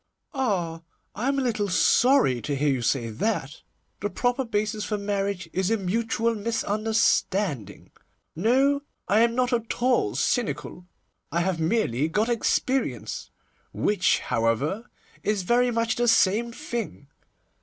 'Ah! I am a little sorry to hear you say that. The proper basis for marriage is a mutual misunderstanding. No, I am not at all cynical, I have merely got experience, which, however, is very much the same thing.